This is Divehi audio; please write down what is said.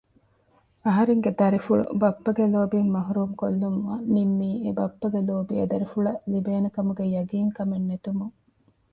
އަހަރެންގެ ދަރިފުޅު ބައްޕަގެ ލޯބިން މަޙުރޫމްކޮށްލުމަށް ނިންމީ އެބައްޕަގެ ލޯބި އެ ދަރިފުޅަށް ލިބޭނެކަމުގެ ޔަޤީންކަމެއް ނެތުމުން